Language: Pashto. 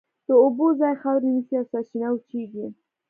د اوبو ځای خاورې نیسي او سرچینه وچېږي.